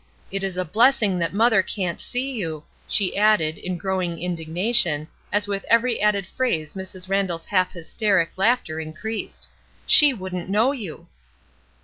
It is a blessing that mother can't see you," she added in growing indignation, as with every added phrase Mrs. Randall's half hysteric laughter increased. "She wouldn't know you."